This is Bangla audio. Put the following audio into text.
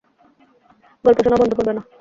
গল্প শোনা বন্ধ করবেনা।